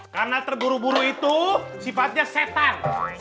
karena terburu buru itu sifatnya setan